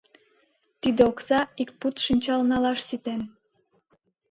Тиде окса ик пуд шинчал налаш ситен.